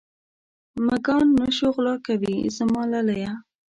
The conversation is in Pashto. مږان نه شو غلا کوې زما لالیه.